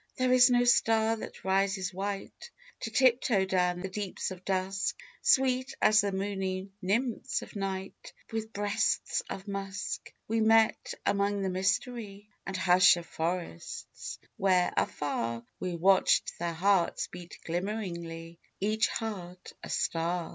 There is no star that rises white, To tiptoe down the deeps of dusk, Sweet as the moony Nymphs of Night With breasts of musk, We met among the mystery And hush of forests, where, afar, We watched their hearts beat glimmeringly, Each heart a star.